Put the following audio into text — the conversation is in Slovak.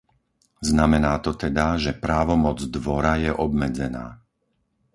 Znamená to teda, že právomoc Dvora je obmedzená.